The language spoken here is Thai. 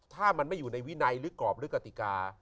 ถ้ามันไม่อยู่ในวินัยหรือกรอบหรือกติกา